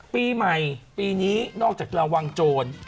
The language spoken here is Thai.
ปีใหม่ปีนี้นอกจากระวังโจร